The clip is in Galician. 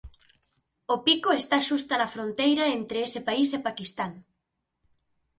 O pico está xusta na fronteira entre ese país e Paquistán.